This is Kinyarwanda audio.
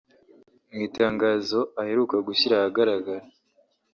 Mu itangazo aheruka gushyira ahagaragara